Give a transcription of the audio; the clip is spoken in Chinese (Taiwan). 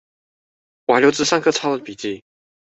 我還留著上課抄的筆記